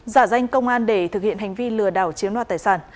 giả danh công an để thực hiện hành vi lừa đảo chiếm đoạt tài sản